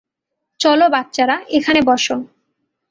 চলো বাচ্চারা, এখানে বসো।